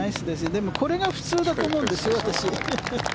でもこれが普通だと思うんです。